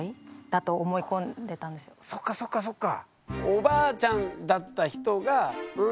そっかそっかそっか。